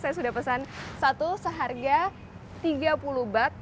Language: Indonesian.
saya sudah pesan satu seharga tiga puluh bat